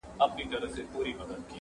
چا ښرا وه راته کړې جهاني عمر دي ډېر سه -